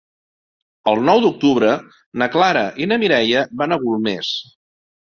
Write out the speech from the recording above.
El nou d'octubre na Clara i na Mireia van a Golmés.